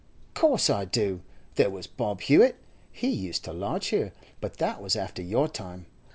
'Course I do. There was Bob Hewett; he used to lodge here, but that was after your time.